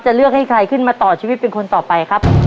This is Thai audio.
เลือกให้ใครขึ้นมาต่อชีวิตเป็นคนต่อไปครับ